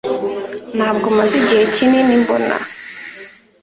Ntabwo maze igihe kinini mbona